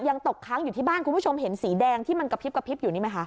ยังตกค้างอยู่ที่บ้านคุณผู้ชมเห็นสีแดงที่มันกระพริบกระพริบอยู่นี่ไหมคะ